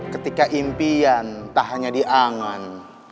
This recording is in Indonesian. ketika impian tak hanya diangan